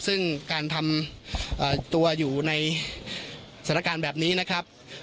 ซึ่งการทำตัวอยู่ในสถานการณ์แบบนี้นะครับ